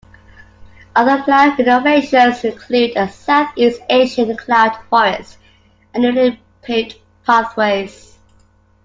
Other planned renovations include a Southeast Asian Cloud Forest and newly paved pathways.